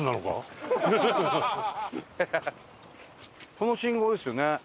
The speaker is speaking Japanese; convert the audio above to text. この信号ですよね。